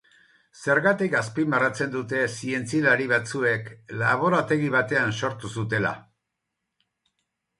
Zergatik azpimarratzen dute zientzialari batzuek laborategi batean sortu zutela?